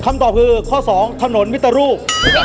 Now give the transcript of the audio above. คำตอบคือข้อ๒ถนนมิตรรูป